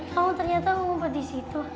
kamu ternyata ngumpet disitu